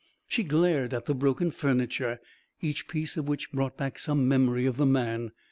She glared at the broken furniture, each piece of which brought back some memory of the man.